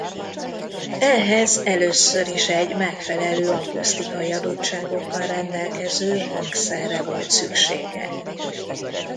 Ehhez először is egy megfelelő akusztikai adottságokkal rendelkező hangszerre volt szüksége.